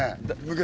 昔。